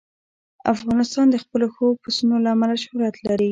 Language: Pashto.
افغانستان د خپلو ښو پسونو له امله شهرت لري.